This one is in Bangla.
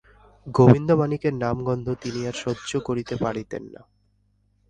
গোবিন্দমাণিক্যের নামগন্ধ তিনি আর সহ্য করিতে পারিতেন না।